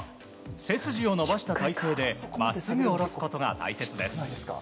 背筋を伸ばした体勢で真っすぐ下ろすことが大切です。